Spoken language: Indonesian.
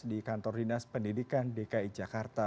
di kantor dinas pendidikan dki jakarta